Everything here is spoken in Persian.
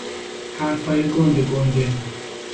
حرفهای گنده گنده